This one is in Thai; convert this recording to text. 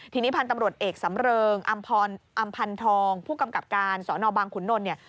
ทีนี้พันธ์ตำรวจเอกสำเริงอำพันธ์ทองผู้กำกับการสบขุนนเนี่ย